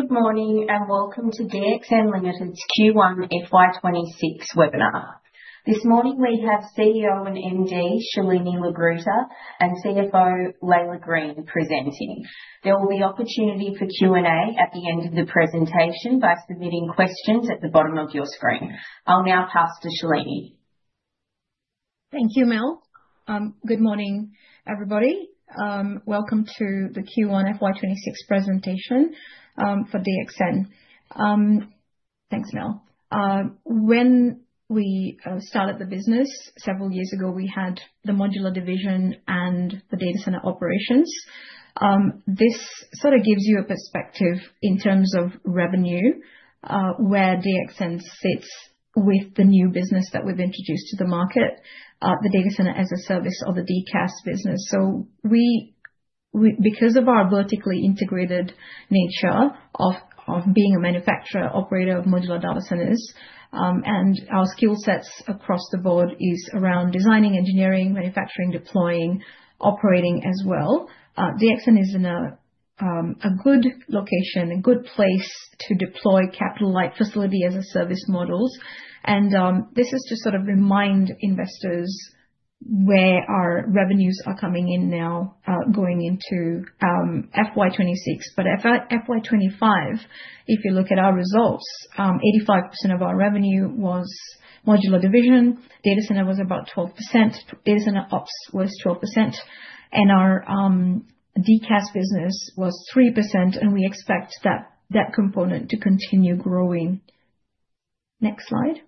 Good morning and welcome to DXN Limited's Q1 FY26 webinar. This morning we have CEO and MD Shalini Lagrutta and CFO Laila Green presenting. There will be opportunity for Q&A at the end of the presentation by submitting questions at the bottom of your screen. I'll now pass to Shalini. Thank you, Mel. Good morning, everybody. Welcome to the Q1 FY26 presentation for DXN. Thanks, Mel. When we started the business several years ago, we had the modular division and the data center operations. This sort of gives you a perspective in terms of revenue, where DXN sits with the new business that we've introduced to the market, the data center as a service or the DCaaS business. So we, because of our vertically integrated nature of being a manufacturer operator of modular data centers and our skill sets across the board is around designing, engineering, manufacturing, deploying, operating as well. DXN is in a good location, a good place to deploy capital-like facility as a service models. And this is to sort of remind investors where our revenues are coming in now going into FY26. But FY25, if you look at our results, 85% of our revenue was modular division. Data center was about 12%. Data center ops was 12%. And our DCaaS business was 3%. And we expect that that component to continue growing. Next slide.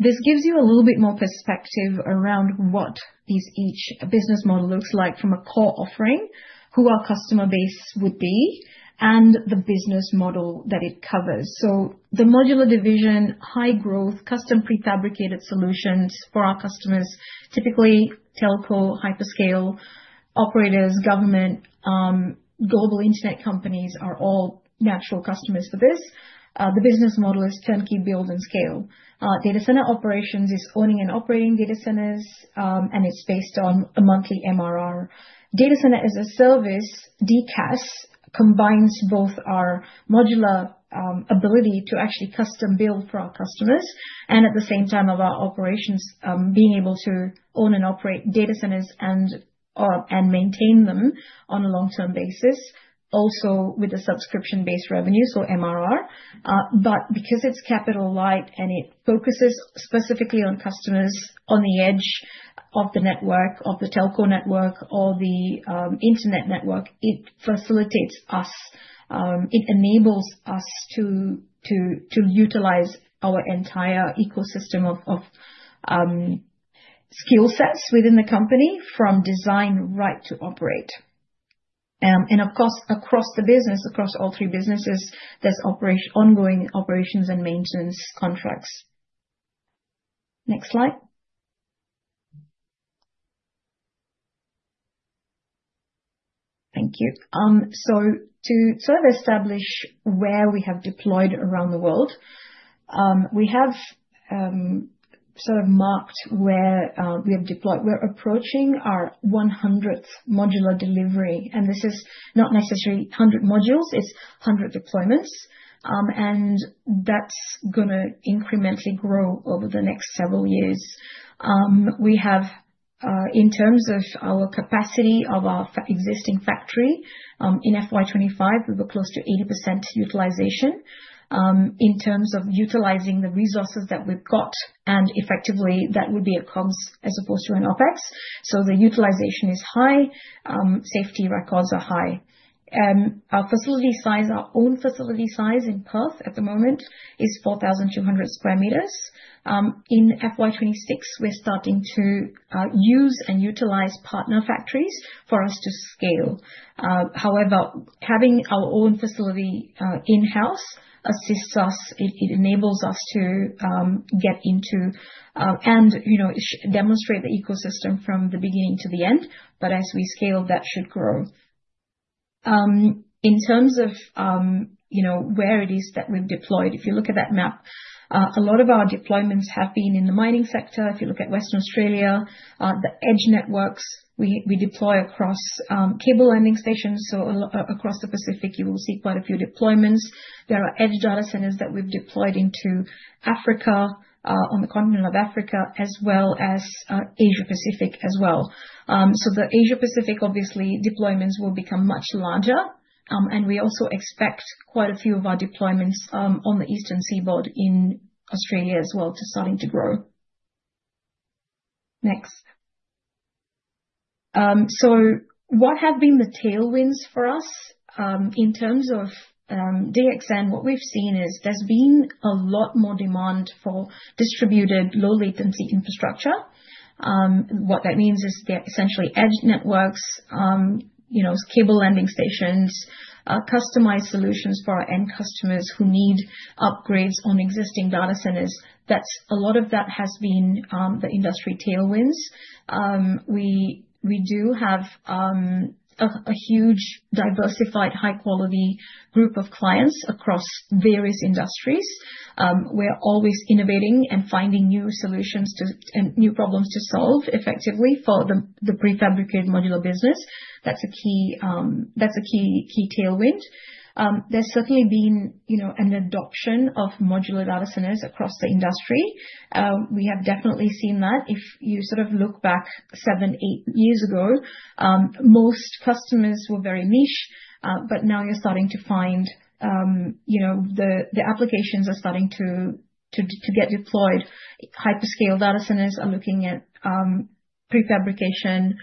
This gives you a little bit more perspective around what each business model looks like from a core offering, who our customer base would be, and the business model that it covers. So the modular division, high growth, custom prefabricated solutions for our customers, typically telco, hyperscale operators, government, global internet companies are all natural customers for this. The business model is turnkey, build, and scale. Data center operations is owning and operating data centers, and it's based on a monthly MRR. Data center as a service, DCaaS, combines both our modular ability to actually custom build for our customers and at the same time of our operations being able to own and operate data centers and maintain them on a long-term basis, also with a subscription-based revenue, so MRR. But because it's capital-like and it focuses specifically on customers on the edge of the network, of the telco network or the internet network, it facilitates us. It enables us to utilize our entire ecosystem of skill sets within the company from design right to operate. And of course, across the business, across all three businesses, there's ongoing operations and maintenance contracts. Next slide. Thank you. So to sort of establish where we have deployed around the world, we have sort of marked where we have deployed. We're approaching our 100th modular delivery. And this is not necessarily 100 modules. It's 100 deployments. That's going to incrementally grow over the next several years. We have, in terms of our capacity of our existing factory, in FY25, we were close to 80% utilization in terms of utilizing the resources that we've got. Effectively, that would be a CapEx as opposed to an OpEx. The utilization is high. Safety records are high. Our facility size, our own facility size in Perth at the moment is 4,200 square meters. In FY26, we're starting to use and utilize partner factories for us to scale. However, having our own facility in-house assists us. It enables us to get into and demonstrate the ecosystem from the beginning to the end. As we scale, that should grow. In terms of where it is that we've deployed, if you look at that map, a lot of our deployments have been in the mining sector. If you look at Western Australia, the edge networks, we deploy across cable landing stations. So across the Pacific, you will see quite a few deployments. There are edge data centers that we've deployed into Africa, on the continent of Africa, as well as Asia-Pacific as well. So the Asia-Pacific, obviously, deployments will become much larger. And we also expect quite a few of our deployments on the eastern seaboard in Australia as well to starting to grow. Next. So what have been the tailwinds for us in terms of DXN? What we've seen is there's been a lot more demand for distributed low-latency infrastructure. What that means is they're essentially edge networks, cable landing stations, customized solutions for our end customers who need upgrades on existing data centers. That's a lot of that has been the industry tailwinds. We do have a huge diversified high-quality group of clients across various industries. We're always innovating and finding new solutions and new problems to solve effectively for the prefabricated modular business. That's a key tailwind. There's certainly been an adoption of modular data centers across the industry. We have definitely seen that. If you sort of look back seven, eight years ago, most customers were very niche. But now you're starting to find the applications are starting to get deployed. Hyperscale data centers are looking at prefabrication.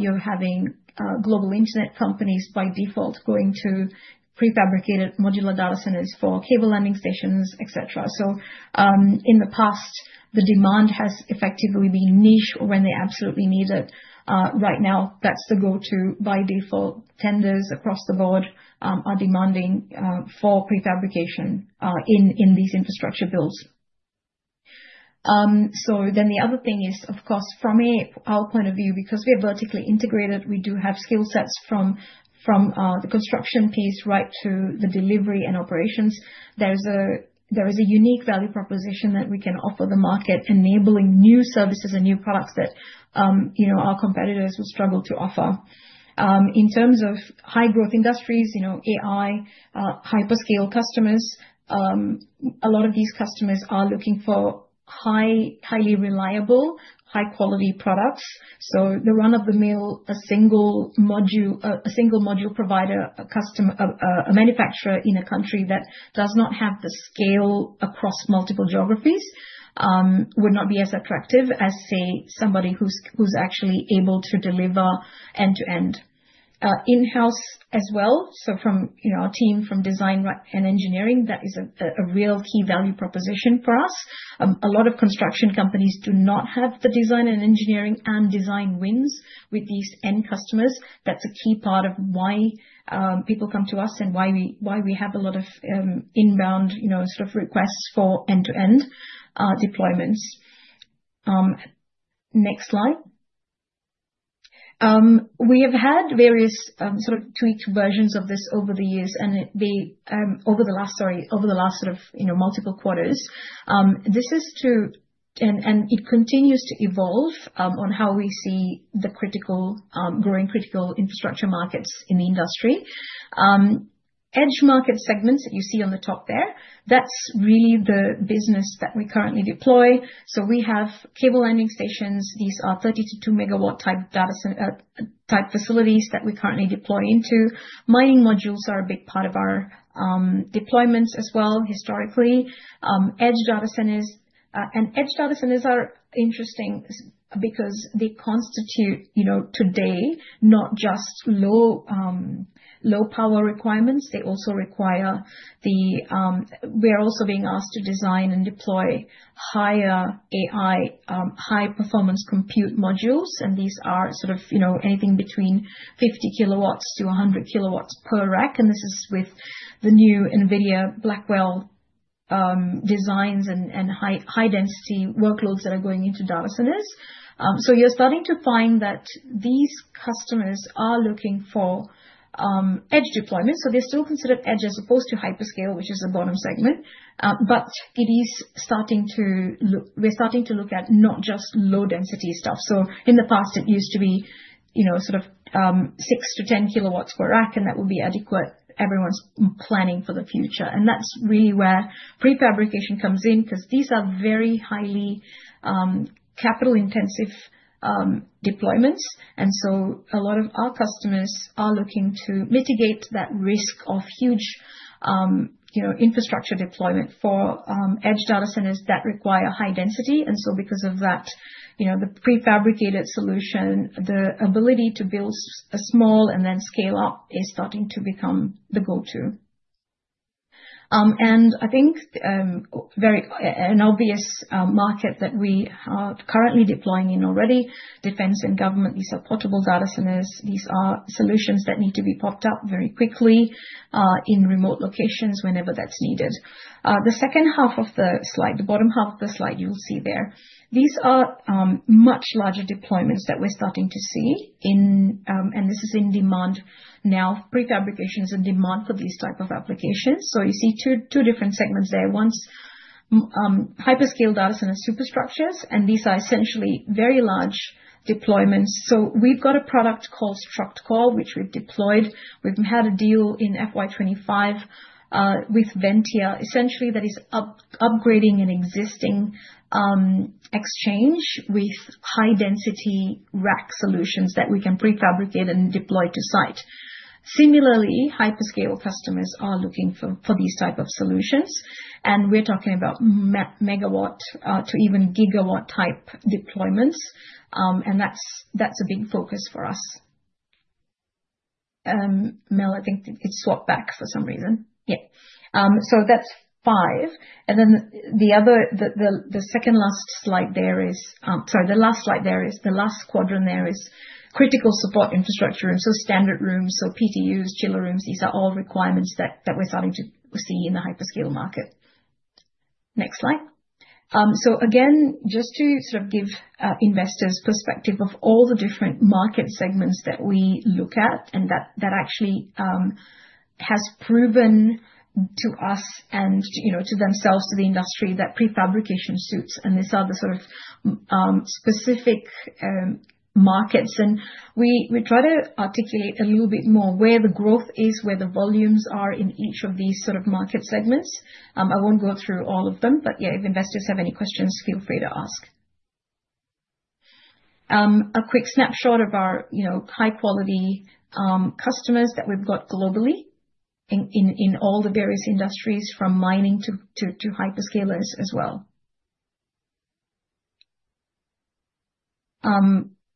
You're having global internet companies by default going to prefabricated modular data centers for cable landing stations, etc. So in the past, the demand has effectively been niche when they absolutely need it. Right now, that's the go-to by default. Tenders across the board are demanding for prefabrication in these infrastructure builds. So then the other thing is, of course, from our point of view, because we are vertically integrated, we do have skill sets from the construction piece right to the delivery and operations. There is a unique value proposition that we can offer the market, enabling new services and new products that our competitors will struggle to offer. In terms of high-growth industries, AI, hyperscale customers, a lot of these customers are looking for highly reliable, high-quality products. So the run-of-the-mill, a single module provider, a manufacturer in a country that does not have the scale across multiple geographies would not be as attractive as, say, somebody who's actually able to deliver end-to-end. In-house as well. So from our team from design and engineering, that is a real key value proposition for us. A lot of construction companies do not have the design and engineering and design wins with these end customers. That's a key part of why people come to us and why we have a lot of inbound sort of requests for end-to-end deployments. Next slide. We have had various sort of tweaked versions of this over the years. Over the last sort of multiple quarters, this is to, and it continues to evolve on how we see the growing critical infrastructure markets in the industry. Edge market segments that you see on the top there, that's really the business that we currently deploy. So we have cable landing stations. These are 32-megawatt type data facilities that we currently deploy into. Mining modules are a big part of our deployments as well, historically. Edge data centers. Edge data centers are interesting because they constitute today not just low power requirements. They also require the we're also being asked to design and deploy higher AI, high-performance compute modules. These are sort of anything between 50-100 kilowatts per rack. This is with the new NVIDIA Blackwell designs and high-density workloads that are going into data centers. You're starting to find that these customers are looking for edge deployments. They're still considered edge as opposed to hyperscale, which is a bottom segment. It is starting to look at not just low-density stuff. In the past, it used to be sort of 6-10 kilowatts per rack, and that would be adequate. Everyone's planning for the future. That's really where prefabrication comes in because these are very highly capital-intensive deployments. And so a lot of our customers are looking to mitigate that risk of huge infrastructure deployment for edge data centers that require high density. And so because of that, the prefabricated solution, the ability to build small and then scale up is starting to become the go-to. And I think an obvious market that we are currently deploying in already: defense and government. These are portable data centers. These are solutions that need to be popped up very quickly in remote locations whenever that's needed. The second half of the slide, the bottom half of the slide you'll see there, these are much larger deployments that we're starting to see. And this is in demand now. Prefabrication is in demand for these types of applications. So you see two different segments there. One's hyperscale data center superstructures. And these are essentially very large deployments. So we've got a product called StructCore, which we've deployed. We've had a deal in FY25 with Ventia, essentially, that is upgrading an existing exchange with high-density rack solutions that we can prefabricate and deploy to site. Similarly, hyperscale customers are looking for these types of solutions. And we're talking about megawatt to even gigawatt type deployments. And that's a big focus for us. Mel, I think it swapped back for some reason. Yeah. So that's five. And then the second last slide there is sorry, the last slide there is the last quadrant there is critical support infrastructure rooms. So standard rooms, so PDUs, chiller rooms, these are all requirements that we're starting to see in the hyperscale market. Next slide. So again, just to sort of give investors perspective of all the different market segments that we look at and that actually has proven to us and to themselves, to the industry, that prefabrication suits. And these are the sort of specific markets. And we try to articulate a little bit more where the growth is, where the volumes are in each of these sort of market segments. I won't go through all of them. But yeah, if investors have any questions, feel free to ask. A quick snapshot of our high-quality customers that we've got globally in all the various industries from mining to hyperscalers as well.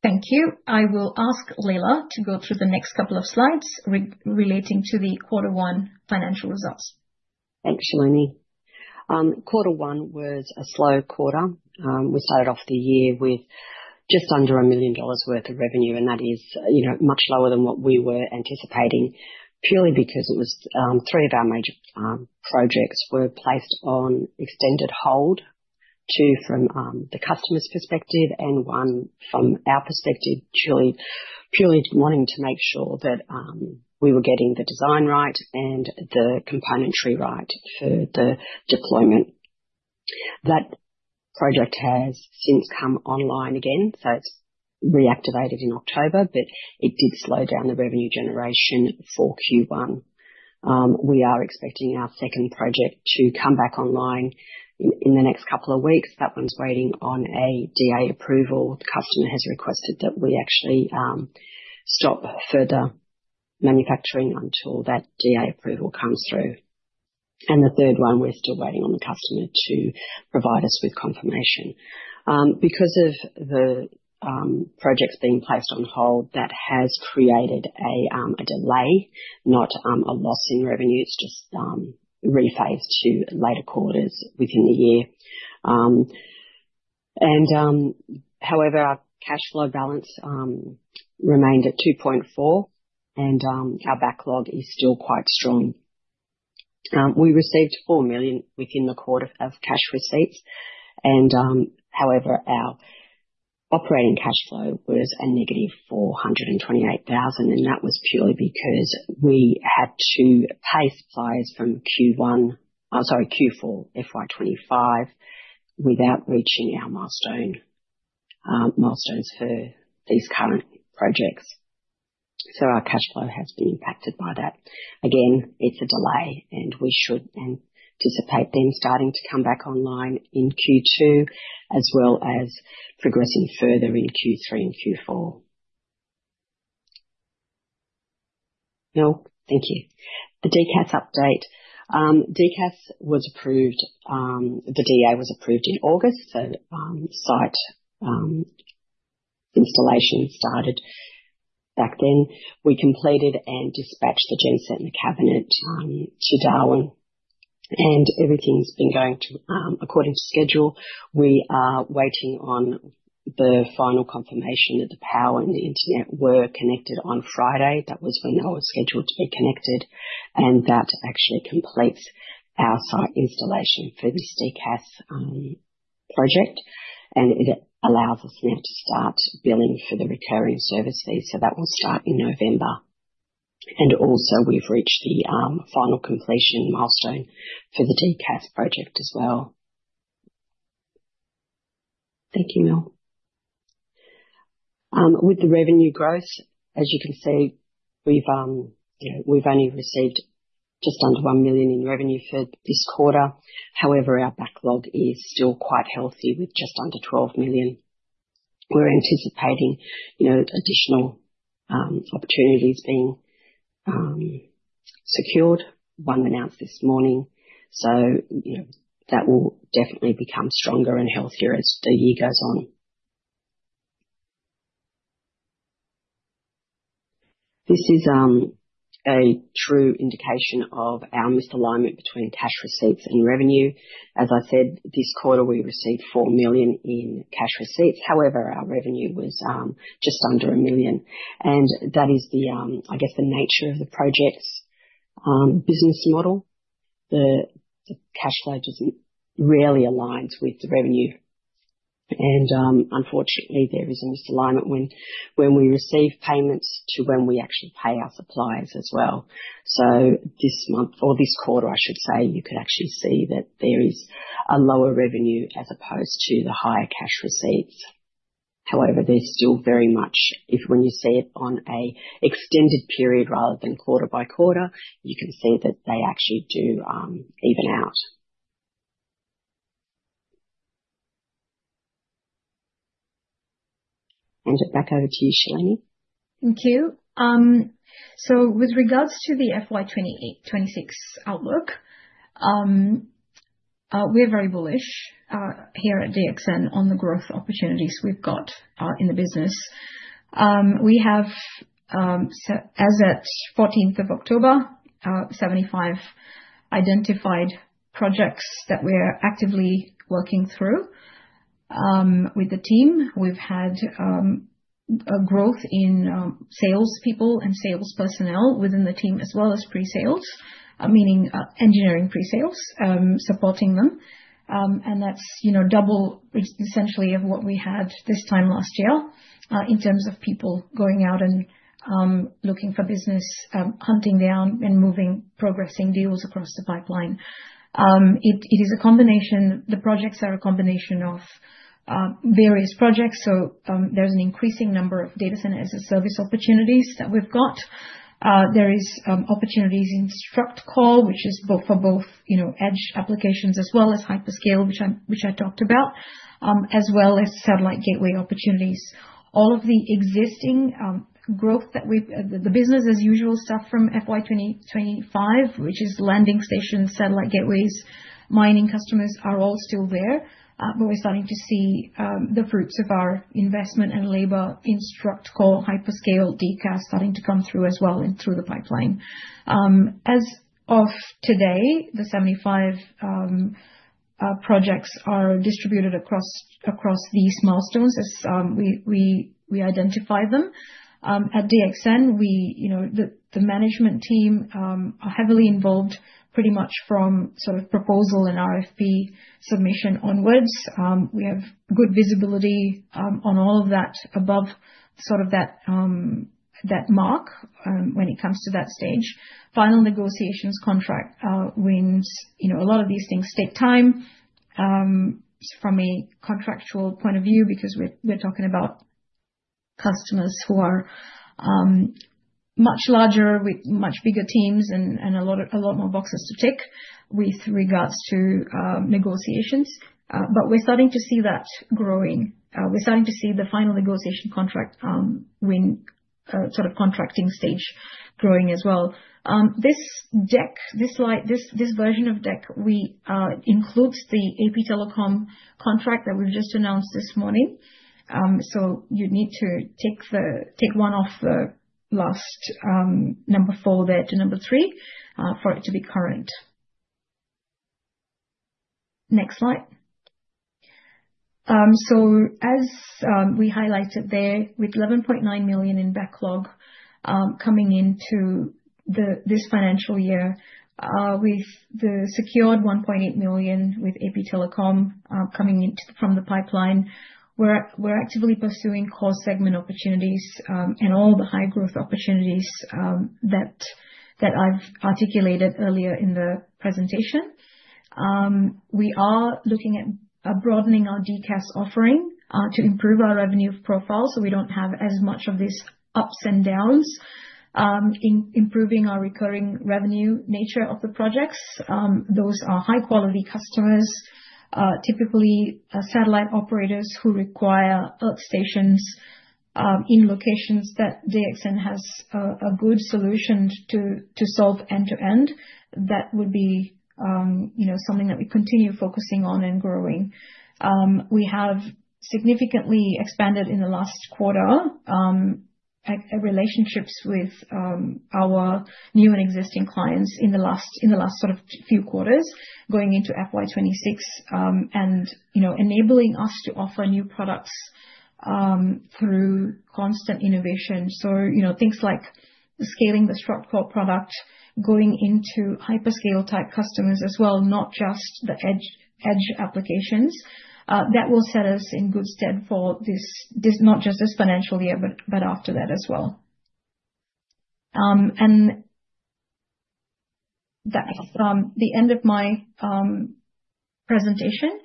Thank you. I will ask Laila to go through the next couple of slides relating to the quarter one financial results. Thanks, Shalini. Quarter one was a slow quarter. We started off the year with just under 1 million dollars worth of revenue. And that is much lower than what we were anticipating purely because three of our major projects were placed on extended hold, two from the customer's perspective and one from our perspective, purely wanting to make sure that we were getting the design right and the componentry right for the deployment. That project has since come online again. So it's reactivated in October. But it did slow down the revenue generation for Q1. We are expecting our second project to come back online in the next couple of weeks. That one's waiting on a DA approval. The customer has requested that we actually stop further manufacturing until that DA approval comes through. And the third one, we're still waiting on the customer to provide us with confirmation. Because of the projects being placed on hold, that has created a delay, not a loss in revenue. It's just rephased to later quarters within the year. However, our cash flow balance remained at 2.4 million. Our backlog is still quite strong. We received 4 million within the quarter of cash receipts. However, our operating cash flow was a negative 428,000. That was purely because we had to pay suppliers from Q1, sorry, Q4, FY25 without reaching our milestones for these current projects. So our cash flow has been impacted by that. Again, it's a delay. We should anticipate them starting to come back online in Q2 as well as progressing further in Q3 and Q4. No, thank you. The DCaaS update. DCaaS was approved. The DA was approved in August. So site installation started back then. We completed and dispatched the genset and the cabinet to Darwin. Everything's been going according to schedule. We are waiting on the final confirmation that the power and the internet were connected on Friday. That was when they were scheduled to be connected. That actually completes our site installation for this DCaaS project. It allows us now to start billing for the recurring service fee. That will start in November. We've also reached the final completion milestone for the DCaaS project as well. Thank you, Mel. With the revenue growth, as you can see, we've only received just under 1 million in revenue for this quarter. However, our backlog is still quite healthy with just under 12 million. We're anticipating additional opportunities being secured. One announced this morning. That will definitely become stronger and healthier as the year goes on. This is a true indication of our misalignment between cash receipts and revenue. As I said, this quarter, we received 4 million in cash receipts. However, our revenue was just under 1 million. And that is, I guess, the nature of the project's business model. The cash flow just rarely aligns with the revenue. And unfortunately, there is a misalignment when we receive payments to when we actually pay our suppliers as well. So this month or this quarter, I should say, you could actually see that there is a lower revenue as opposed to the higher cash receipts. However, they're still very much if when you see it on an extended period rather than quarter by quarter, you can see that they actually do even out. Hand it back over to you, Shalini. Thank you. So with regards to the FY26 outlook, we're very bullish here at DXN on the growth opportunities we've got in the business. We have, as at 14th of October, 75 identified projects that we're actively working through with the team. We've had a growth in salespeople and sales personnel within the team as well as pre-sales, meaning engineering pre-sales supporting them. And that's double essentially of what we had this time last year in terms of people going out and looking for business, hunting down, and moving, progressing deals across the pipeline. It is a combination. The projects are a combination of various projects. So there's an increasing number of data center as a service opportunities that we've got. There are opportunities in StructCore, which is for both edge applications as well as hyperscale, which I talked about, as well as satellite gateway opportunities. All of the existing growth that we the business-as-usual stuff from FY25, which is landing stations, satellite gateways, mining customers are all still there. But we're starting to see the fruits of our investment and labor in StructCore, hyperscale, DCaaS starting to come through as well and through the pipeline. As of today, the 75 projects are distributed across these milestones as we identify them. At DXN, the management team are heavily involved pretty much from sort of proposal and RFP submission onwards. We have good visibility on all of that above sort of that mark when it comes to that stage. Final negotiations, contract wins. A lot of these things take time from a contractual point of view because we're talking about customers who are much larger with much bigger teams and a lot more boxes to tick with regards to negotiations. But we're starting to see that growing. We're starting to see the final negotiation contract sort of contracting stage growing as well. This slide, this version of the deck, includes the APTelecom contract that we've just announced this morning. So you'd need to take one off the last number four there to number three for it to be current. Next slide. So as we highlighted there, with 11.9 million in backlog coming into this financial year with the secured 1.8 million with APTelecom coming from the pipeline, we're actively pursuing core segment opportunities and all the high-growth opportunities that I've articulated earlier in the presentation. We are looking at broadening our DCaaS offering to improve our revenue profile so we don't have as much of these ups and downs in improving our recurring revenue nature of the projects. Those are high-quality customers, typically satellite operators who require Earth stations in locations that DXN has a good solution to solve end-to-end. That would be something that we continue focusing on and growing. We have significantly expanded in the last quarter our relationships with our new and existing clients in the last sort of few quarters going into FY26 and enabling us to offer new products through constant innovation. So things like scaling the StructCore product, going into hyperscale-type customers as well, not just the edge applications. That will set us in good stead for not just this financial year, but after that as well. And that's the end of my presentation.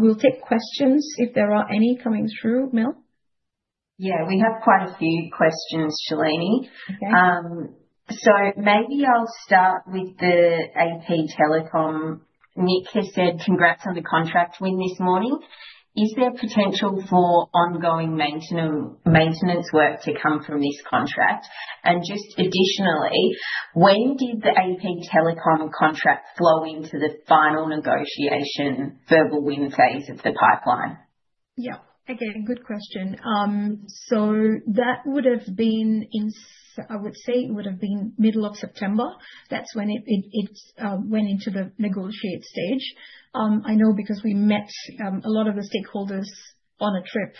We'll take questions if there are any coming through, Mel. Yeah, we have quite a few questions, Shalini. So maybe I'll start with the APTelecom. Nick has said, "Congrats on the contract win this morning. Is there potential for ongoing maintenance work to come from this contract?" And just additionally, when did the APTelecom contract flow into the final negotiation verbal win phase of the pipeline? Yeah. Again, good question. So that would have been in I would say it would have been middle of September. That's when it went into the negotiate stage. I know because we met a lot of the stakeholders on a trip,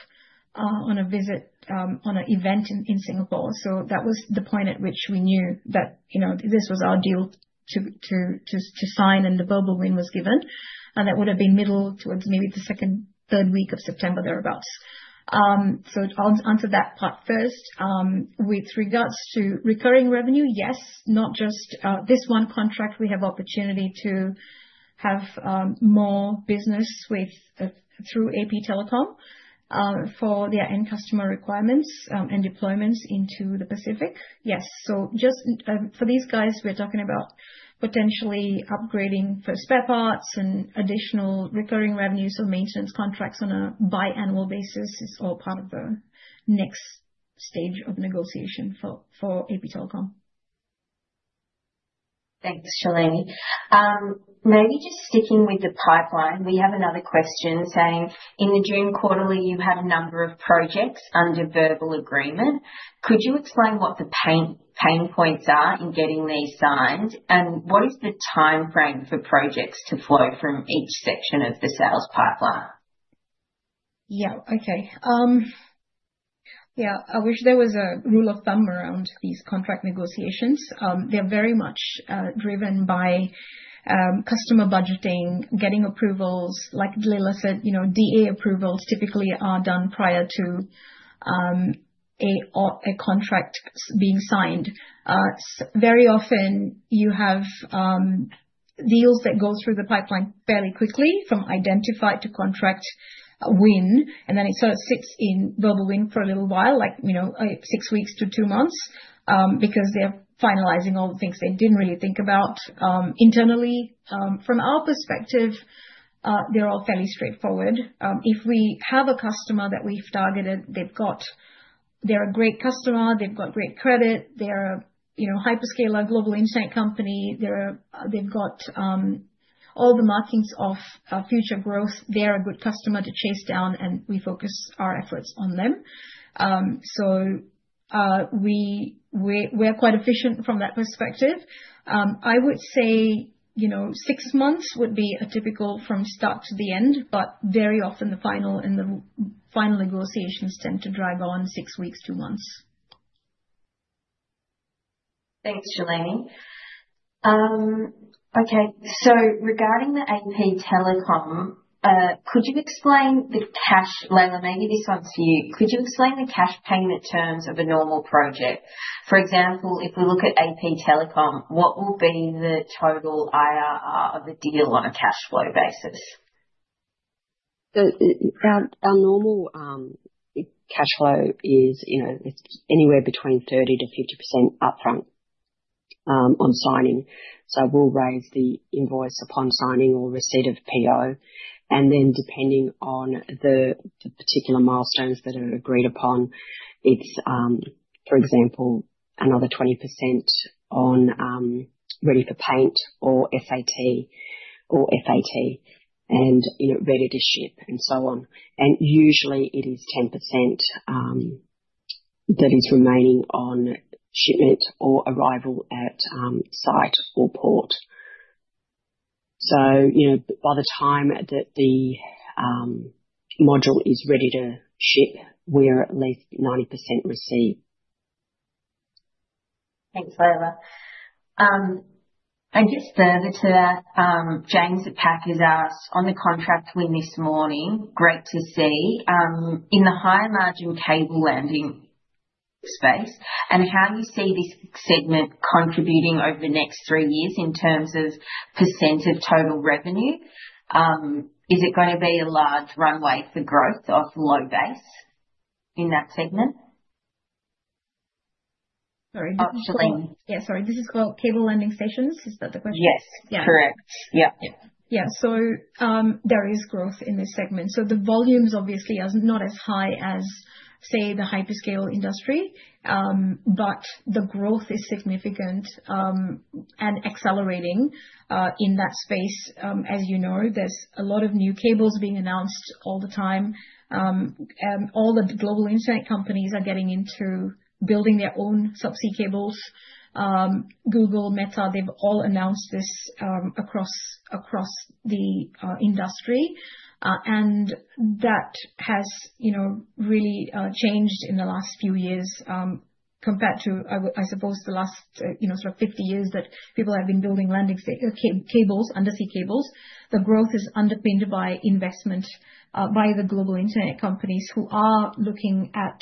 on a visit, on an event in Singapore. So that was the point at which we knew that this was our deal to sign and the verbal win was given. And that would have been middle towards maybe the second, third week of September thereabouts. So I'll answer that part first. With regards to recurring revenue, yes, not just this one contract, we have opportunity to have more business through APTelecom for their end customer requirements and deployments into the Pacific. Yes. So just for these guys, we're talking about potentially upgrading for spare parts and additional recurring revenues or maintenance contracts on a biannual basis. It's all part of the next stage of negotiation for APTelecom. Thanks, Shalini. Maybe just sticking with the pipeline, we have another question saying, "In the June quarter, you had a number of projects under verbal agreement. Could you explain what the pain points are in getting these signed? And what is the timeframe for projects to flow from each section of the sales pipeline?" Yeah. Okay. Yeah. I wish there was a rule of thumb around these contract negotiations. They're very much driven by customer budgeting, getting approvals. Like Laila said, DA approvals typically are done prior to a contract being signed. Very often, you have deals that go through the pipeline fairly quickly from identified to contract win. And then it sort of sits in verbal win for a little while, like six weeks to two months, because they're finalizing all the things they didn't really think about internally. From our perspective, they're all fairly straightforward. If we have a customer that we've targeted, they're a great customer. They've got great credit. They're a hyperscale global internet company. They've got all the markings of future growth. They're a good customer to chase down, and we focus our efforts on them. So we're quite efficient from that perspective. I would say six months would be a typical from start to the end, but very often the final negotiations tend to drive on six weeks, two months. Thanks, Shalini. Okay. So regarding the APTelecom, could you explain the cash, Laila? Maybe this one's for you. Could you explain the cash payment terms of a normal project? For example, if we look at APTelecom, what will be the total IRR of a deal on a cash flow basis? Our normal cash flow is anywhere between 30%-50% upfront on signing. So we'll raise the invoice upon signing or receipt of PO. And then depending on the particular milestones that are agreed upon, it's, for example, another 20% on ready for FAT or FAT and ready to ship and so on. And usually, it is 10% that is remaining on shipment or arrival at site or port. So by the time that the module is ready to ship, we're at least 90% receipt. Thanks, Laila. I guess further to that, James at PAC has asked on the contract win this morning, great to see, in the high-margin cable landing space, and how you see this segment contributing over the next three years in terms of % of total revenue. Is it going to be a large runway for growth off low base in that segment? Sorry. Shalini. Yeah, sorry. This is called cable landing stations. Is that the question? Yes. Correct. Yeah. Yeah. So there is growth in this segment. So the volume is obviously not as high as, say, the hyperscale industry, but the growth is significant and accelerating in that space. As you know, there's a lot of new cables being announced all the time. All the global internet companies are getting into building their own subsea cables. Google, Meta, they've all announced this across the industry. That has really changed in the last few years compared to, I suppose, the last sort of 50 years that people have been building undersea cables. The growth is underpinned by investment by the global internet companies who are looking at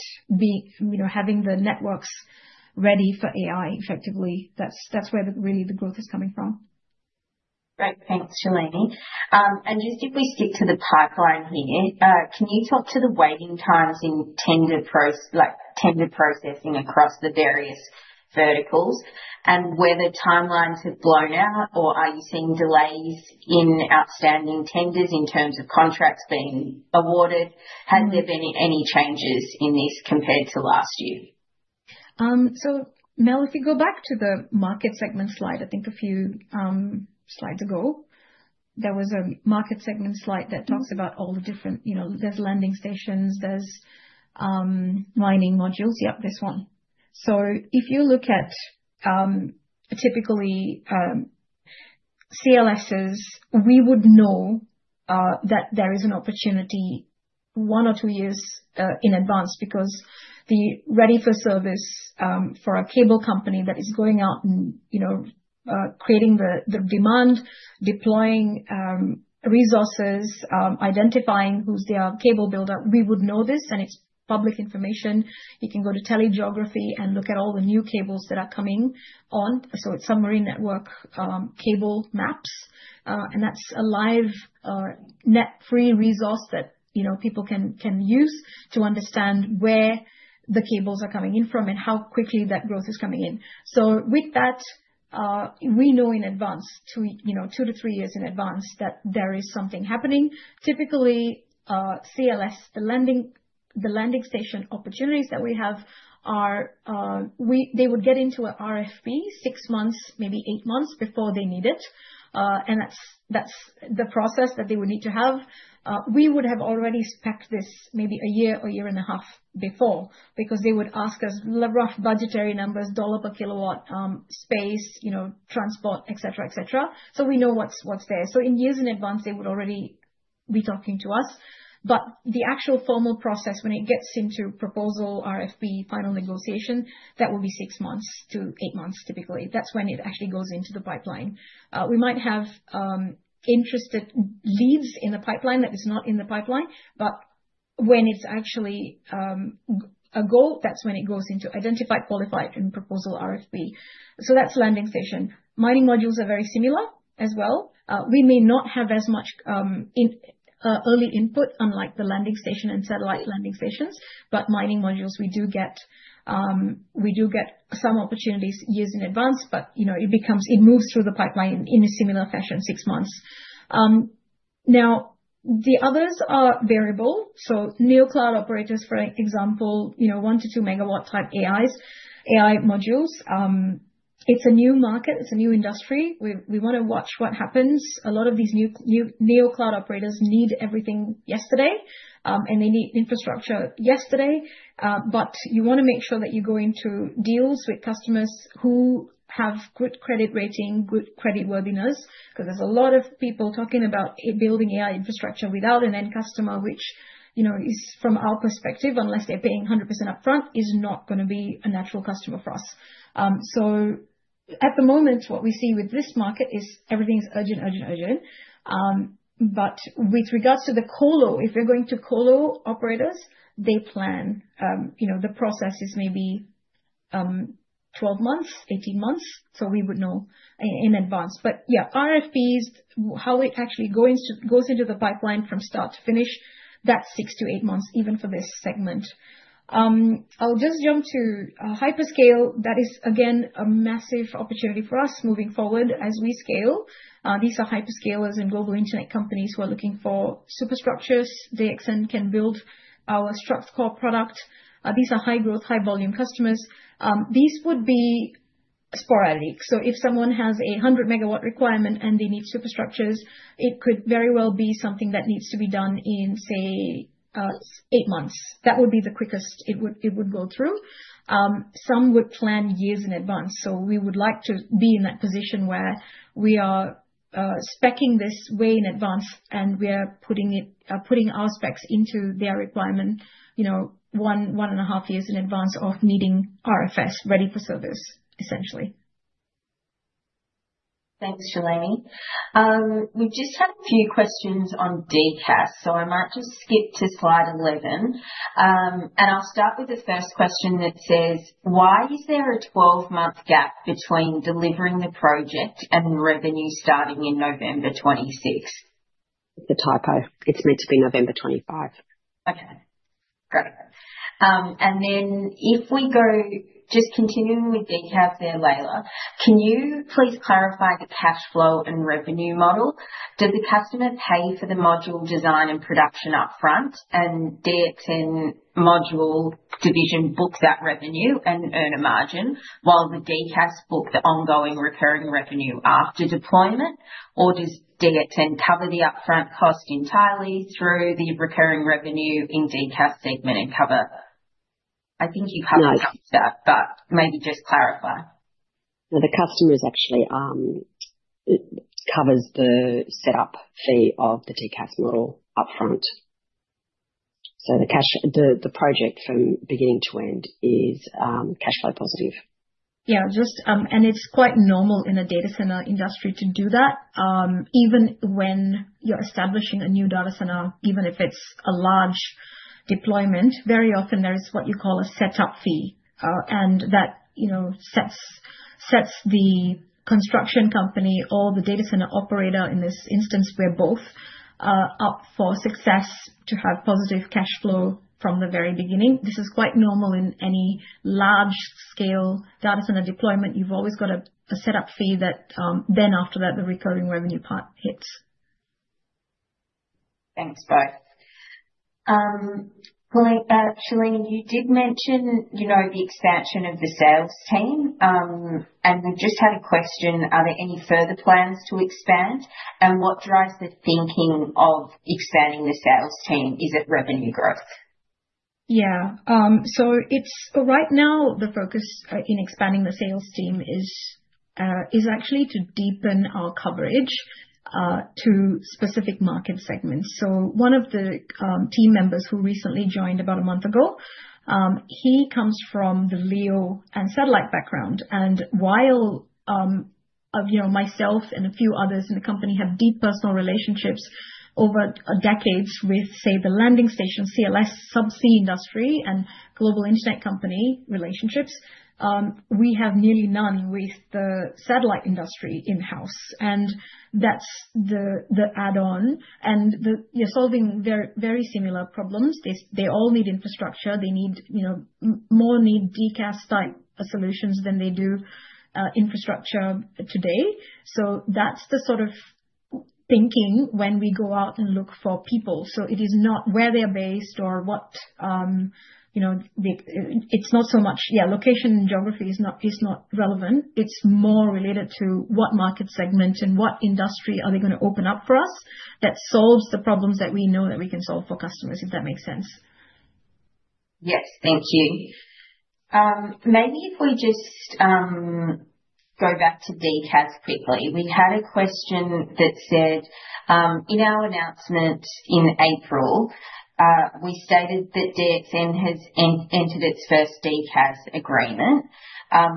having the networks ready for AI effectively. That's where really the growth is coming from. Great. Thanks, Shalini. Just if we stick to the pipeline here, can you talk to the waiting times in tender processing across the various verticals and whether timelines have blown out, or are you seeing delays in outstanding tenders in terms of contracts being awarded? Has there been any changes in this compared to last year? Mel, if you go back to the market segment slide, I think a few slides ago, there was a market segment slide that talks about all the different. There's landing stations. There's mining modules. Yep, this one, so if you look at typically CLSs, we would know that there is an opportunity one or two years in advance because the ready for service for a cable company that is going out and creating the demand, deploying resources, identifying who's the cable builder. We would know this, and it's public information. You can go to TeleGeography and look at all the new cables that are coming on, so it's submarine network cable maps, and that's a live net-free resource that people can use to understand where the cables are coming in from and how quickly that growth is coming in, so with that, we know in advance, two to three years in advance, that there is something happening. Typically, CLS, the landing station opportunities that we have, they would get into an RFP six months, maybe eight months before they need it. That's the process that they would need to have. We would have already specced this maybe a year or year and a half before because they would ask us rough budgetary numbers, AUD per kilowatt space, transport, etc., etc. So we know what's there, so in years in advance, they would already be talking to us. But the actual formal process, when it gets into proposal, RFP, final negotiation, that will be six months to eight months, typically. That's when it actually goes into the pipeline. We might have interested leads in the pipeline that is not in the pipeline, but when it's actually a goal, that's when it goes into identified, qualified, and proposal RFP. So that's landing station. Mining modules are very similar as well. We may not have as much early input, unlike the landing station and satellite landing stations, but mining modules, we do get some opportunities years in advance, but it moves through the pipeline in a similar fashion, six months. Now, the others are variable. So NeoCloud operators, for example, one to two megawatt type AI modules, it's a new market. It's a new industry. We want to watch what happens. A lot of these NeoCloud operators need everything yesterday, and they need infrastructure yesterday. But you want to make sure that you go into deals with customers who have good credit rating, good creditworthiness, because there's a lot of people talking about building AI infrastructure without an end customer, which, from our perspective, unless they're paying 100% upfront, is not going to be a natural customer for us. So at the moment, what we see with this market is everything's urgent, urgent, urgent. But with regards to the colo, if you're going to colo operators, they plan. The process is maybe 12 months, 18 months. So we would know in advance. But yeah, RFPs, how it actually goes into the pipeline from start to finish, that's six to eight months, even for this segment. I'll just jump to hyperscale. That is, again, a massive opportunity for us moving forward as we scale. These are hyperscalers and global internet companies who are looking for superstructures. DXN can build our StructCore product. These are high-growth, high-volume customers. These would be sporadic. So if someone has a 100-megawatt requirement and they need superstructures, it could very well be something that needs to be done in, say, eight months. That would be the quickest it would go through. Some would plan years in advance, so we would like to be in that position where we are speccing this way in advance, and we are putting our specs into their requirement one and a half years in advance of needing RFS, ready for service, essentially. Thanks, Shalini. We just had a few questions on DCaaS, so I might just skip to slide 11, and I'll start with the first question that says, "Why is there a 12-month gap between delivering the project and revenue starting in November 26?" The typo. It's meant to be November 25. Okay. Great, and then if we go just continuing with DCaaS there, Laila, can you please clarify the cash flow and revenue model? Does the customer pay for the module design and production upfront, and DXN module division books that revenue and earn a margin, while the DCaaS books the ongoing recurring revenue after deployment? Or does DXN cover the upfront cost entirely through the recurring revenue in DCaaS segment and cover? I think you covered some of that, but maybe just clarify. The customer actually covers the setup fee of the DCaaS model upfront. So the project from beginning to end is cash flow positive. Yeah. And it's quite normal in a data center industry to do that. Even when you're establishing a new data center, even if it's a large deployment, very often there is what you call a setup fee. And that sets the construction company or the data center operator, in this instance, we're both up for success to have positive cash flow from the very beginning. This is quite normal in any large-scale data center deployment. You've always got a setup fee that then after that, the recurring revenue part hits. Thanks, both. Shalini, you did mention the expansion of the sales team, and we just had a question, are there any further plans to expand, and what drives the thinking of expanding the sales team? Is it revenue growth? Yeah, so right now, the focus in expanding the sales team is actually to deepen our coverage to specific market segments, so one of the team members who recently joined about a month ago, he comes from the LEO and satellite background. And while myself and a few others in the company have deep personal relationships over decades with, say, the landing station CLS subsea industry and global internet company relationships, we have nearly none with the satellite industry in-house, and that's the add-on. And you're solving very similar problems. They all need infrastructure. They more need DCaaS-type solutions than they do infrastructure today. So that's the sort of thinking when we go out and look for people. So it is not where they're based or what it's not so much, yeah, location and geography is not relevant. It's more related to what market segment and what industry are they going to open up for us that solves the problems that we know that we can solve for customers, if that makes sense. Yes. Thank you. Maybe if we just go back to DCaaS quickly. We had a question that said, "In our announcement in April, we stated that DXN has entered its first DCaaS agreement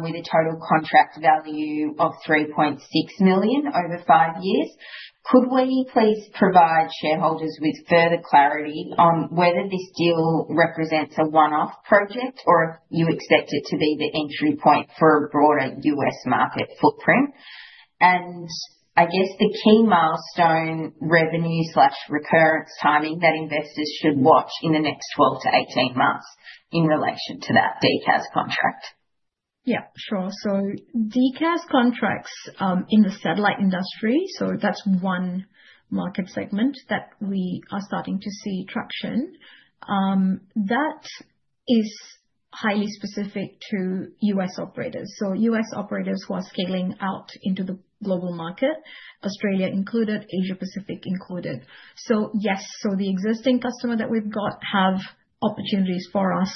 with a total contract value of 3.6 million over five years. Could we please provide shareholders with further clarity on whether this deal represents a one-off project or you expect it to be the entry point for a broader U.S. market footprint?" And I guess the key milestone revenue/recurrence timing that investors should watch in the next 12-18 months in relation to that DCaaS contract. Yeah, sure. So DCaaS contracts in the satellite industry, so that's one market segment that we are starting to see traction. That is highly specific to U.S. operators. So U.S. operators who are scaling out into the global market, Australia included, Asia-Pacific included. So yes, so the existing customer that we've got have opportunities for us.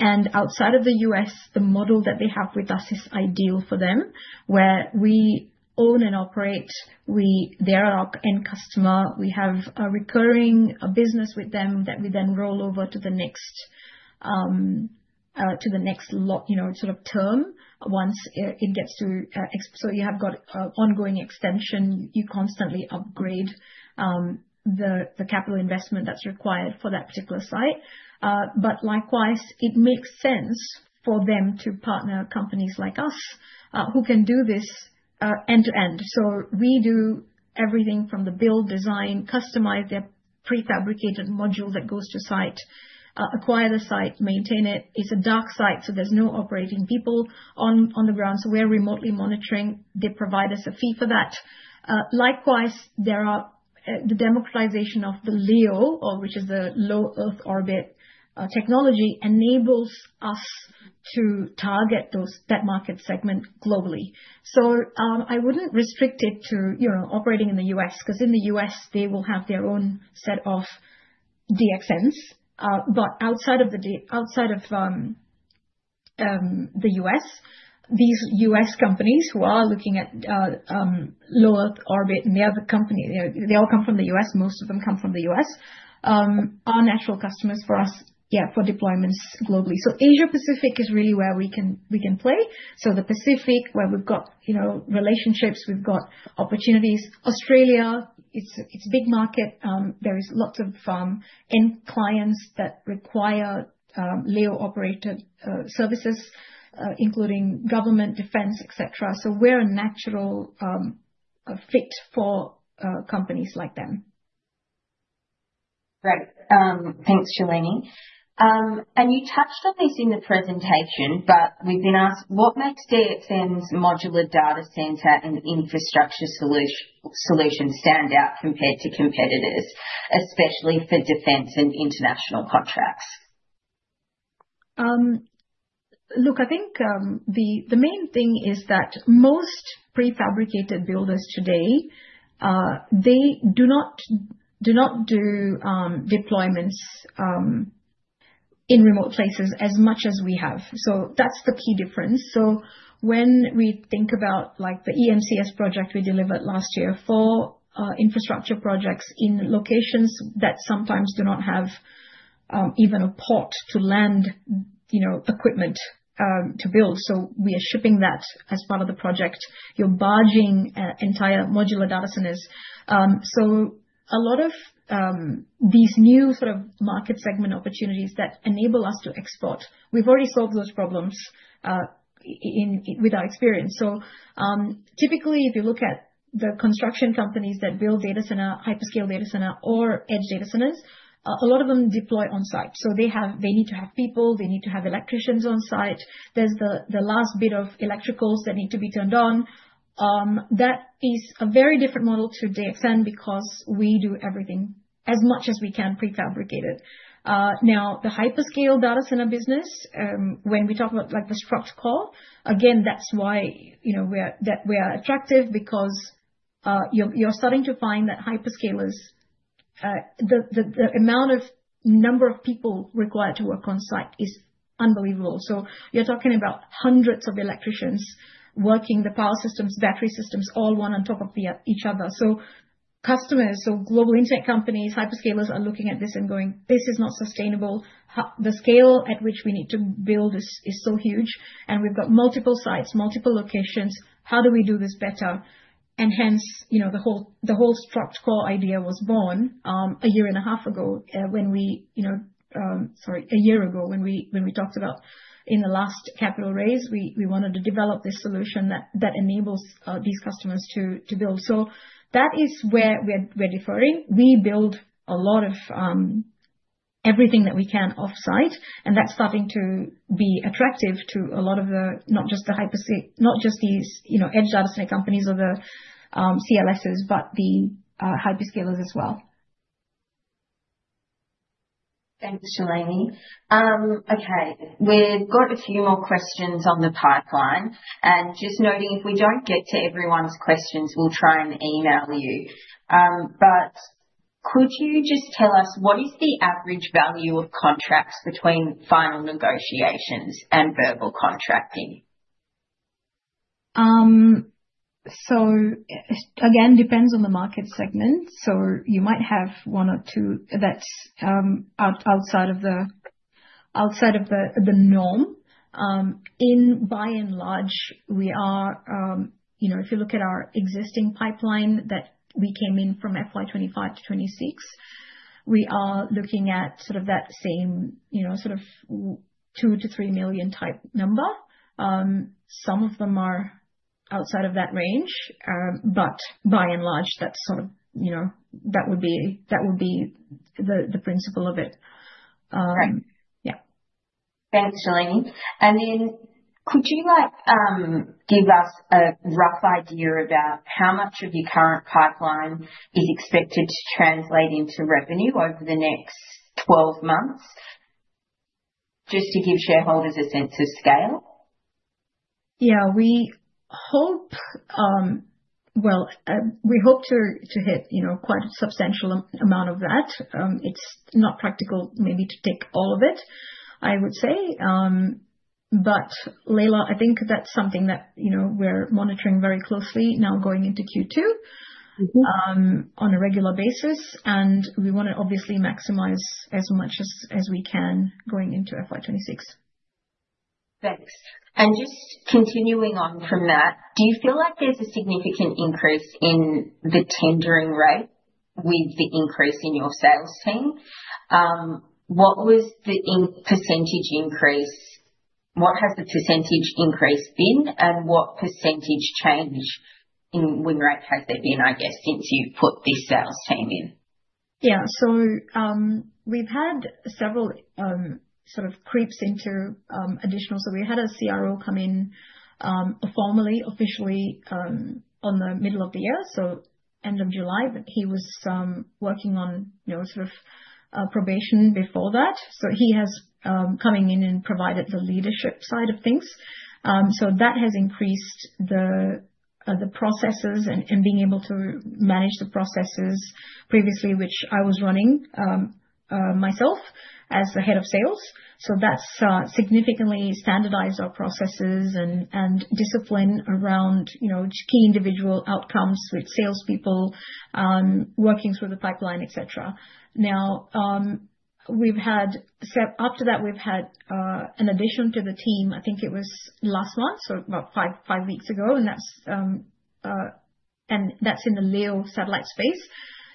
And outside of the U.S., the model that they have with us is ideal for them where we own and operate. They're our end customer. We have a recurring business with them that we then roll over to the next sort of term once it gets to, so you have got ongoing extension. You constantly upgrade the capital investment that's required for that particular site. But likewise, it makes sense for them to partner companies like us who can do this end-to-end, so we do everything from the build, design, customize their prefabricated module that goes to site, acquire the site, maintain it. It's a dark site, so there's no operating people on the ground, so we're remotely monitoring. They provide us a fee for that. Likewise, the democratization of the LEO, which is the Low Earth Orbit technology, enables us to target that market segment globally, so I wouldn't restrict it to operating in the U.S. because in the U.S., they will have their own set of DXNs. But outside of the U.S., these U.S. companies who are looking at low-Earth orbit and the other company, they all come from the U.S. Most of them come from the U.S., are natural customers for us, yeah, for deployments globally. So Asia-Pacific is really where we can play. So the Pacific, where we've got relationships, we've got opportunities. Australia, it's a big market. There is lots of end clients that require LEO-operated services, including government, defense, etc. So we're a natural fit for companies like them. Great. Thanks, Shalini. And you touched on this in the presentation, but we've been asked, what makes DXN's modular data center and infrastructure solution stand out compared to competitors, especially for defense and international contracts? Look, I think the main thing is that most prefabricated builders today, they do not do deployments in remote places as much as we have. That's the key difference. When we think about the EMCS project we delivered last year for infrastructure projects in locations that sometimes do not have even a port to land equipment to build. We are shipping that as part of the project. You're barging entire modular data centers. A lot of these new sort of market segment opportunities that enable us to export, we've already solved those problems with our experience. Typically, if you look at the construction companies that build data center, hyperscale data center, or edge data centers, a lot of them deploy on-site. They need to have people. They need to have electricians on-site. There's the last bit of electricals that need to be turned on. That is a very different model to DXN because we do everything as much as we can prefabricated. Now, the hyperscale data center business, when we talk about the StructCore, again, that's why we're attractive because you're starting to find that hyperscalers, the number of people required to work on-site is unbelievable. So you're talking about hundreds of electricians working the power systems, battery systems, all one on top of each other. So customers, so global internet companies, hyperscalers are looking at this and going, "This is not sustainable. The scale at which we need to build is so huge. And we've got multiple sites, multiple locations. How do we do this better?," and hence, the whole StructCore idea was born a year and a half ago when we, sorry, a year ago when we talked about in the last capital raise, we wanted to develop this solution that enables these customers to build so that is where we're deferring. We build a lot of everything that we can off-site, and that's starting to be attractive to a lot of the, not just the hyperscalers, not just these edge data center companies or the CLSs, but the hyperscalers as well. Thanks, Shalini. Okay. We've got a few more questions on the pipeline. And just noting, if we don't get to everyone's questions, we'll try and email you. But could you just tell us, what is the average value of contracts between final negotiations and verbal contracting? So again, it depends on the market segment. So you might have one or two that's outside of the norm. By and large, we are, if you look at our existing pipeline that we came in from FY25 to FY26, we are looking at sort of that same sort of 2-3 million type number. Some of them are outside of that range, but by and large, that's sort of, that would be the principle of it. Yeah. Thanks, Shalini. And then could you give us a rough idea about how much of your current pipeline is expected to translate into revenue over the next 12 months, just to give shareholders a sense of scale? Yeah. Well, we hope to hit quite a substantial amount of that. It's not practical maybe to take all of it, I would say. But Laila, I think that's something that we're monitoring very closely now going into Q2 on a regular basis. And we want to obviously maximize as much as we can going into FY26. Thanks. And just continuing on from that, do you feel like there's a significant increase in the tendering rate with the increase in your sales team? What was the percentage increase? What has the percentage increase been? And what percentage change in win rate has there been, I guess, since you've put this sales team in? Yeah. So we've had several sort of creeps into additional. So we had a CRO come in formally, officially on the middle of the year, so end of July. But he was working on sort of probation before that. So he has come in and provided the leadership side of things. So that has increased the processes and being able to manage the processes previously, which I was running myself as the head of sales. So that's significantly standardized our processes and discipline around key individual outcomes with salespeople working through the pipeline, etc. Now, after that, we've had an addition to the team. I think it was last month, so about five weeks ago. And that's in the LEO satellite space.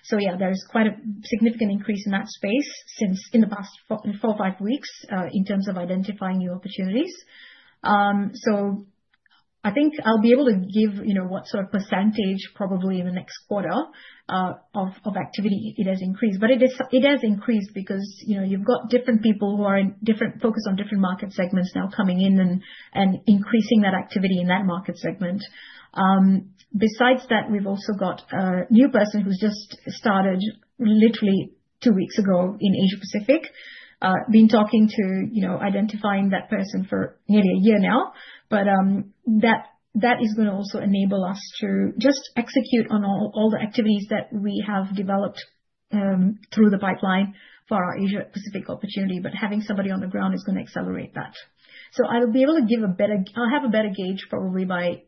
So yeah, there is quite a significant increase in that space since in the past four or five weeks in terms of identifying new opportunities. So I think I'll be able to give what sort of percentage probably in the next quarter of activity it has increased. But it has increased because you've got different people who are focused on different market segments now coming in and increasing that activity in that market segment. Besides that, we've also got a new person who's just started literally two weeks ago in Asia-Pacific, been talking to, identifying that person for nearly a year now. But that is going to also enable us to just execute on all the activities that we have developed through the pipeline for our Asia-Pacific opportunity. But having somebody on the ground is going to accelerate that. So I'll be able to give a better, I'll have a better gauge probably by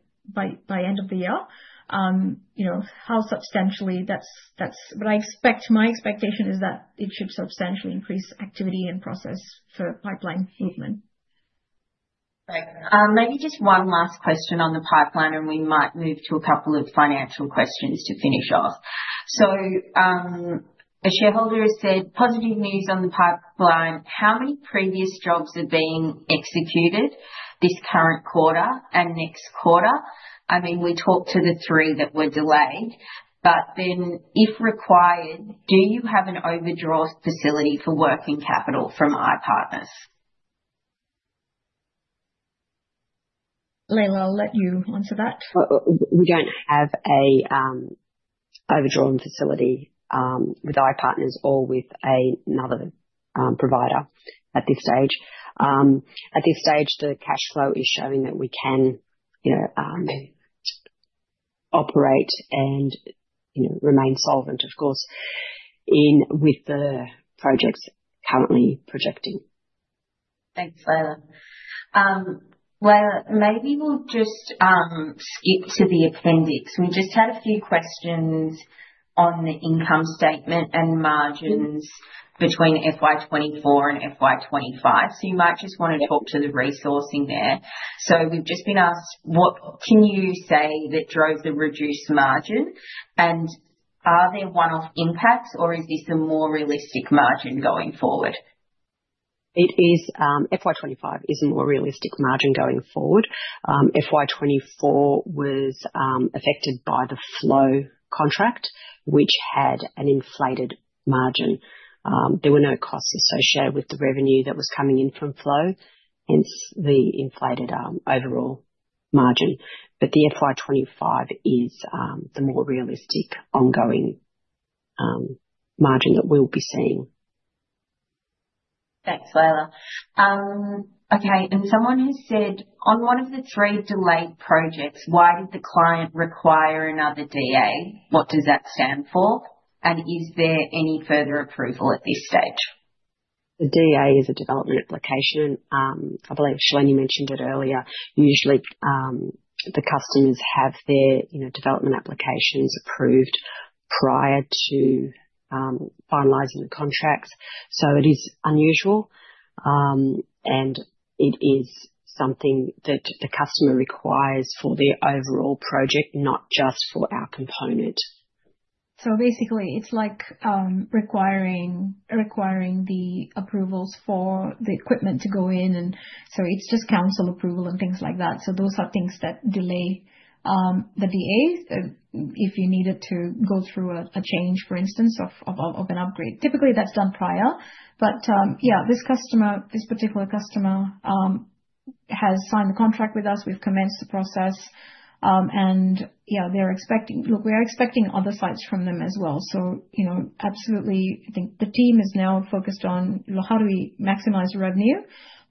the end of the year how substantially that's, but my expectation is that it should substantially increase activity and process for pipeline movement. Great. Maybe just one last question on the pipeline, and we might move to a couple of financial questions to finish off. So a shareholder has said, "Positive news on the pipeline. How many previous jobs have been executed this current quarter and next quarter?" I mean, we talked to the three that were delayed. But then, if required, do you have an overdraw facility for working capital from iPartners? Layla, I'll let you answer that. We don't have an overdrawing facility with iPartners or with another provider at this stage. At this stage, the cash flow is showing that we can operate and remain solvent, of course, with the projects currently projecting. Thanks, Laila. Laila, maybe we'll just skip to the appendix. We just had a few questions on the income statement and margins between FY24 and FY25. So you might just want to talk to the results there. So we've just been asked, what can you say that drove the reduced margin? And are there one-off impacts, or is this a more realistic margin going forward? FY25 is a more realistic margin going forward. FY24 was affected by the FLOW contract, which had an inflated margin. There were no costs associated with the revenue that was coming in from FLOW, hence the inflated overall margin. But the FY25 is the more realistic ongoing margin that we'll be seeing. Thanks, Laila. Okay. And someone has said, "On one of the three delayed projects, why did the client require another DA? What does that stand for? And is there any further approval at this stage?" The DA is a development application. I believe Shalini mentioned it earlier. Usually, the customers have their development applications approved prior to finalizing the contracts. So it is unusual. And it is something that the customer requires for the overall project, not just for our component. So basically, it's like requiring the approvals for the equipment to go in. And so it's just council approval and things like that. So those are things that delay the DA if you needed to go through a change, for instance, of an upgrade. Typically, that's done prior. But yeah, this particular customer has signed the contract with us. We've commenced the process. And yeah, they're expecting. Look, we are expecting other sites from them as well. Absolutely, I think the team is now focused on, well, how do we maximize revenue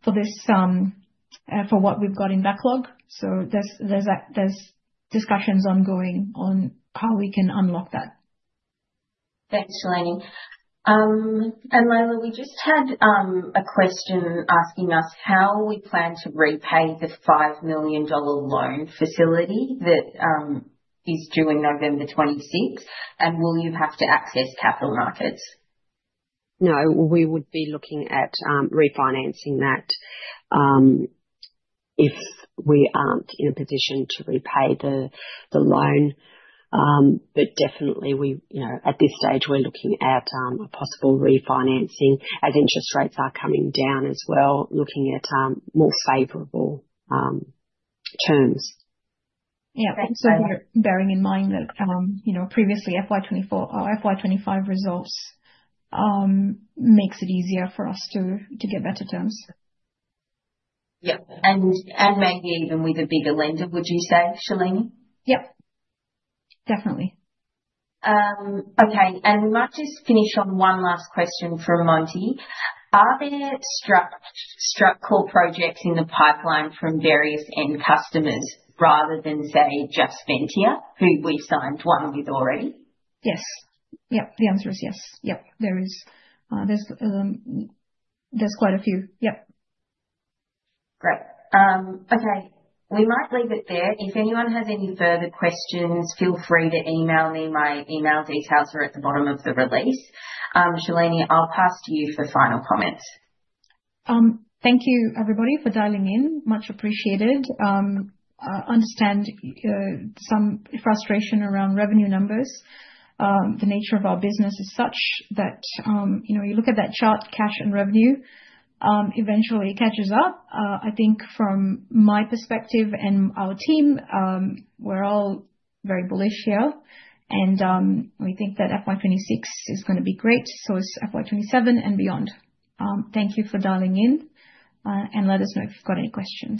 for what we've got in backlog? So there's discussions ongoing on how we can unlock that. Thanks, Shalini. And Laila, we just had a question asking us how we plan to repay the 5 million dollar loan facility that is due in November 2026. And will you have to access capital markets? No, we would be looking at refinancing that if we aren't in a position to repay the loan. But definitely, at this stage, we're looking at a possible refinancing as interest rates are coming down as well, looking at more favorable terms. Yeah. Thanks for bearing in mind that previously, FY 2025 results makes it easier for us to get better terms. Yep. And maybe even with a bigger lender, would you say, Shalini? Yep. Definitely. Okay. We might just finish on one last question from Monty. Are there StructCore projects in the pipeline from various end customers rather than, say, just Ventia, who we've signed one with already? Yes. Yep. The answer is yes. Yep. There's quite a few. Yep. Great. Okay. We might leave it there. If anyone has any further questions, feel free to email me. My email details are at the bottom of the release. Shalini, I'll pass to you for final comments. Thank you, everybody, for dialing in. Much appreciated. I understand some frustration around revenue numbers. The nature of our business is such that you look at that chart, cash and revenue, eventually it catches up. I think from my perspective and our team, we're all very bullish here. We think that FY26 is going to be great. So is FY27 and beyond. Thank you for dialing in. Let us know if you've got any questions.